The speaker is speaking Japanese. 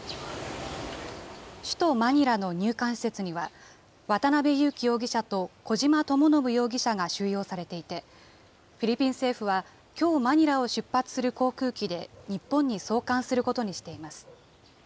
首都マニラの入管施設には、渡邉優樹容疑者と小島智信容疑者が収容されていて、フィリピン政府は、きょう、マニラを出発する航空機で日本に送還することにしています。